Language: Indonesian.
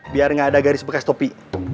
biar nggak ada garis bekas topi